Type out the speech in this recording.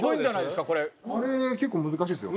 あれね結構難しいですよ。